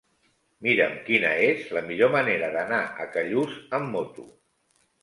Mira'm quina és la millor manera d'anar a Callús amb moto.